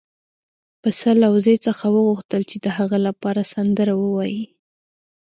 پسه له وزې څخه وغوښتل چې د هغه لپاره سندره ووايي.